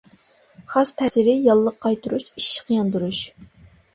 خاس تەسىرى ياللۇغ قايتۇرۇش، ئىششىق ياندۇرۇش.